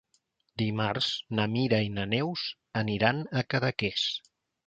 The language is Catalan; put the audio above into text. Dimarts na Mira i na Neus aniran a Cadaqués.